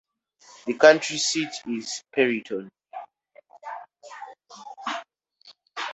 The county seat is Perryton.